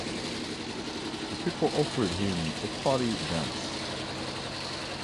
The people offered him a party dance.